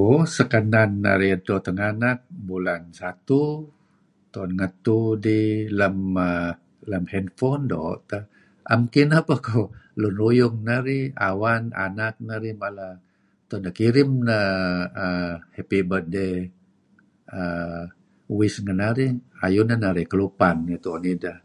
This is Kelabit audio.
Uuh sekenan narih edto tenganak bulan satu tu'en ngetu dih [mer] lem handfon doo' teh' Kineh peh ko' lun ruyung narih , awan, anak narih mala tu'en dih kirim neh err happy birthday err wish ngen narih ayu neh narih kelupan idih tu'en ideh.